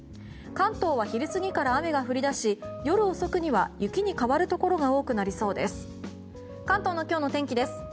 関東は昼過ぎから雨が降り出し夜遅くには雪に変わるところが多くなりそうです。